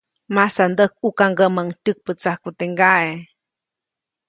Masandäjkʼukaŋgäʼmäʼuŋ tyäkpätsajku teʼ ŋgaʼe.